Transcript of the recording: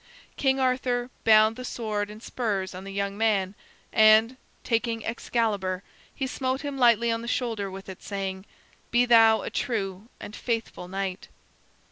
King Arthur bound the sword and spurs on the young man, and, taking Excalibur, he smote him lightly on the shoulder with it, saying, "Be thou a true and faithful knight."